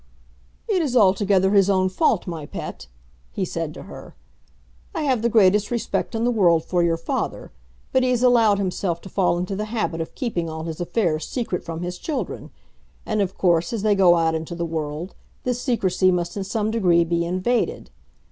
"It is altogether his own fault, my pet," he said to her. "I have the greatest respect in the world for your father, but he has allowed himself to fall into the habit of keeping all his affairs secret from his children; and, of course, as they go out into the world, this secrecy must in some degree be invaded.